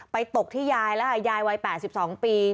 ไปตกที่ยายยายวัย๘๒ปี